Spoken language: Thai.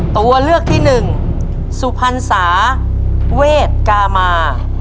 ตัวเลือกที่หนึ่งสุพรรษาเวทกามา